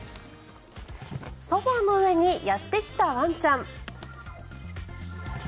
ソファの上にやってきたワンちゃん。